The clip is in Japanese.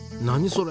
それ。